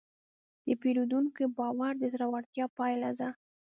د پیرودونکي باور د زړورتیا پایله ده.